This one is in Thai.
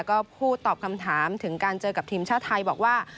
ก็พูดตอบคำถามถึงการเจอกับทีมชาติไทยบอกว่า